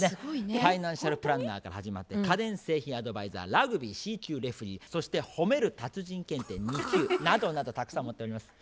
ファイナンシャルプランナーから始まって家電製品アドバイザーラグビーＣ級レフリーそしてほめる達人検定２級などなどたくさん持っております。